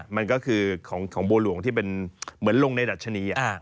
มันก็คือของบัวหลวงที่เป็นเหมือนลงในดัชนี